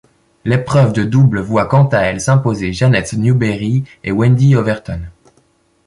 L'épreuve de double voit quant à elle s'imposer Janet Newberry et Wendy Overton.